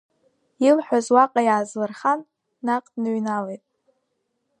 Илҳәаз уаҟа иаазлырхан, наҟ дныҩналеит.